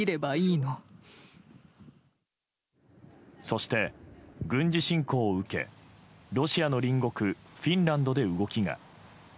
そして軍事侵攻を受けロシアの隣国フィンランドで動きが。